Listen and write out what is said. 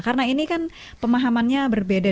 karena ini kan pemahamannya berbeda